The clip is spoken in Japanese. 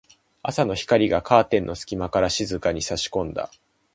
朝の光がカーテンの隙間から静かに差し込んだ。